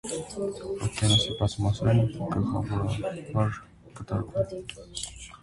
Ովկիանոսի բաց մասերէն գլխաւորաբար կը տարբերի ջրաբանական, օդերեւութաբանական եւ կլիմայական կարգով։